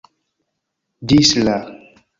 Ĝis la